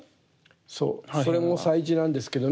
そうそれも彩磁なんですけどね